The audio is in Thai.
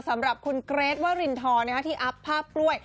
สำหรับคุณเกรทวรินทรที่อัพภาพกล้วย